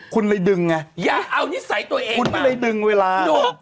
คุณเลยดึงไงอย่าเอานิสัยตัวเองคุณก็เลยดึงเวลา